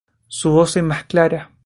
Su voz es más clara.